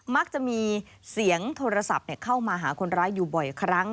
มักจะมีเสียงโทรศัพท์เข้ามาหาคนร้ายอยู่บ่อยครั้ง